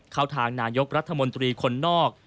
เข้าทางนายกรัฐมนตรีคนนอก